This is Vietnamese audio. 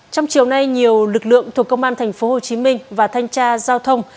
trong chiều nay nhiều lực lượng thuộc công an tp hcm và thanh tra giao thông